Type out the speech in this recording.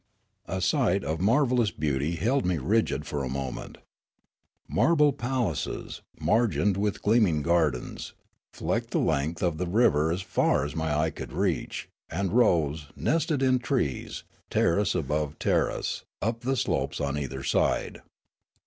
A sight of marvellous beauty held me rigid for a moment. Marble palaces, margined with gleaming gardens, flecked the length of the river as far as my eye could reach, and rose, nested in trees, terrace above terrace, up the slopes on either side.